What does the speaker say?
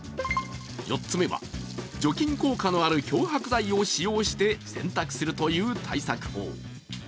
４つ目は除菌効果のある漂白剤を使用して洗濯するという対策法。